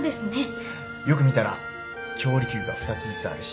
よく見たら調理器具が２つずつあるし